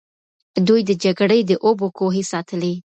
دوی د جګړې د اوبو کوهي ساتلې.